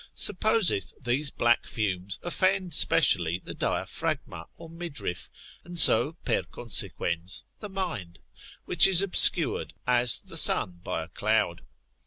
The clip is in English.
supposeth these black fumes offend specially the diaphragma or midriff, and so per consequens the mind, which is obscured as the sun by a cloud.